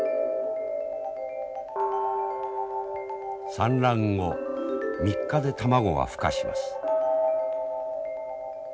産卵後３日で卵は孵化します。